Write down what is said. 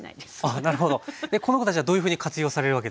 この子たちはどういうふうに活用されるわけですか？